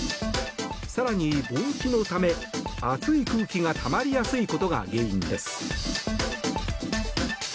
更に盆地のため熱い空気がたまりやすいことが原因です。